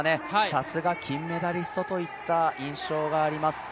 さすが金メダリストといった印象があります。